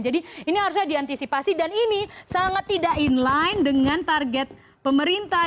jadi ini harusnya diantisipasi dan ini sangat tidak in line dengan target pemerintah